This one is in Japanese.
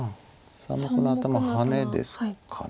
３目の頭をハネですか。